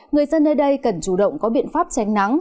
người dân nơi đây cần chủ động có biện pháp tránh nắng